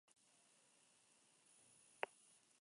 Se opuso al Tratado de Libre Comercio con Estados Unidos.